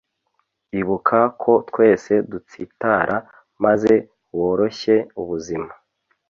Ibuka ko twese dutsitara maze woroshye ubuzima